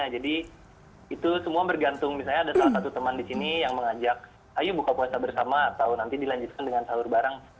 jadi itu semua bergantung misalnya ada salah satu teman di sini yang mengajak ayo buka puasa bersama atau nanti dilanjutkan dengan sahur bareng